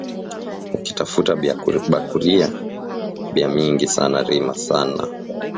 Ukitafuta byakuria bya mingi sana rima sana